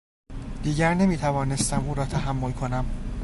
دیگر نمیتوانستم او را تحمل کنم.